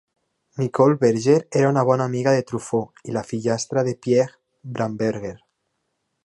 Nicole Berger era una bona amiga de Truffaut i la fillastra de Pierre Braunberger.